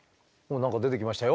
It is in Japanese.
何か出てきましたよ。